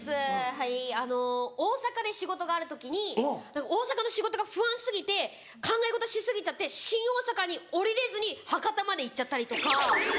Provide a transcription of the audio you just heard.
はい大阪で仕事がある時に大阪の仕事が不安過ぎて考え事し過ぎちゃって新大阪に降りれずに博多まで行っちゃったりとか。